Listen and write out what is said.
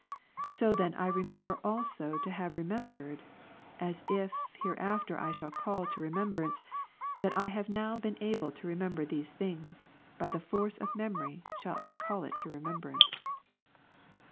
So then I remember also to have remembered ; as, if hereafter I shall call to remem brance, that I have now been able to remember these things, by the force of memory shall I call it to remembrance.